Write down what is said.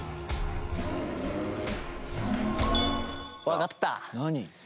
わかった！